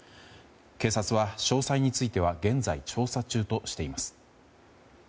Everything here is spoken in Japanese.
警察は詳細については現在、調査中としています。